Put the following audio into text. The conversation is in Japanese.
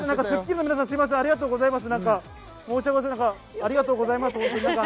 『スッキリ』の皆さん、ありがとうございます。